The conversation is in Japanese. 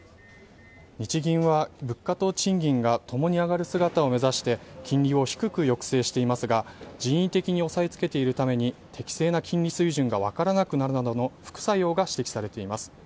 日銀は物価と賃金がともに上がる姿を目指して金利を低く抑制していますが人為的に抑えつけているために適正な金利水準が分からなくなるなどの副作用が指摘されています。